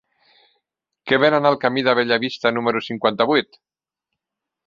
Què venen al camí de Bellavista número cinquanta-vuit?